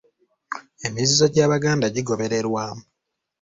Emizizo gy’Abaganda gigobererwa